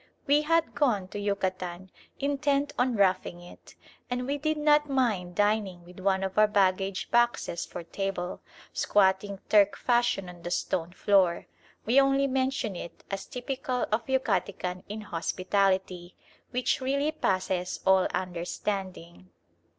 We had gone to Yucatan intent on roughing it, and we did not mind dining with one of our baggage boxes for table, squatting Turk fashion on the stone floor. We only mention it as typical of Yucatecan inhospitality, which really passes all understanding.